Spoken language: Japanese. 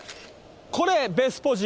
これ、ベスポジ。